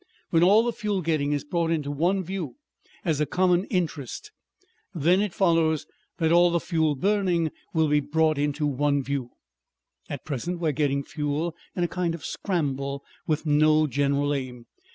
When all the fuel getting is brought into one view as a common interest, then it follows that all the fuel burning will be brought into one view. At present we are getting fuel in a kind of scramble with no general aim.